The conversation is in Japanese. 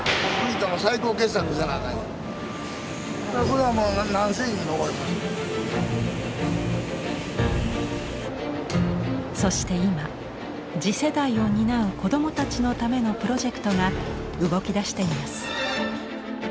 これはもうそして今次世代を担う子どもたちのためのプロジェクトが動きだしています。